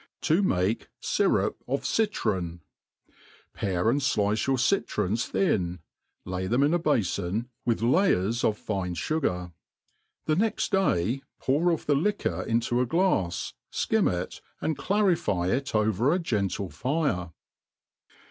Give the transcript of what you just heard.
T§ make Syrup of Citron. PARE and flice your citrons thin, lay them in a bafon, with kyers of fine fugar. The next day pour off the liquor into a. glafs, ikin^ it, and clarify it over a gentle fire.